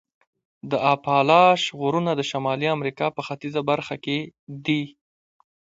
د اپالاش غرونه د شمالي امریکا په ختیځه برخه کې دي.